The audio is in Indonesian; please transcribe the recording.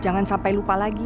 jangan sampai lupa lagi